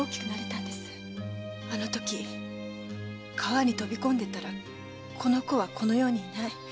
あのとき川に飛び込んでいたらこの子はこの世にいない。